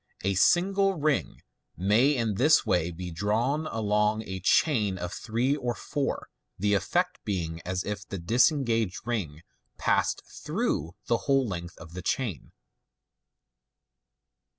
A single ring may in this way be drawn along a chain of three or four, the effect being as if the disengaged ring passed through the whole length of the chain.